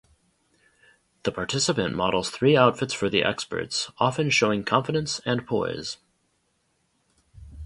The participant models three outfits for the experts, often showing confidence and poise.